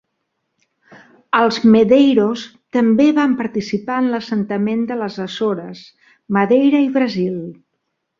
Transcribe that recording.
Els Medeiros també van participar en l'assentament de les Açores, Madeira i Brasil.